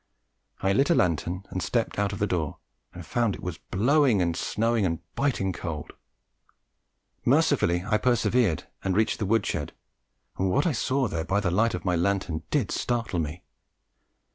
I lit a lantern and stepped out of the door and found it was blowing and snowing and biting cold. Mercifully I persevered and reached the wood shed, and what I saw there by the light of my lantern did startle me.